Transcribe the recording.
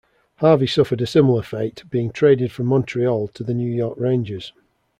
Harvey suffered a similar fate, being traded from Montreal to the New York Rangers.